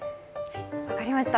分かりました。